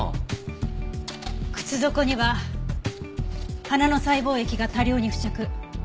靴底には花の細胞液が多量に付着。